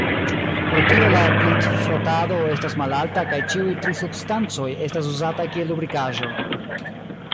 Pro tio la glitfrotado estas malalta kaj ĉiuj tri substancoj estas uzataj kiel lubrikaĵoj.